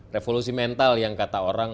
revolusi mental yang kata orang